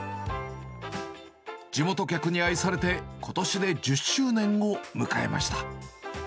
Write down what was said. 地元客に愛されて、ことしで１０周年を迎えました。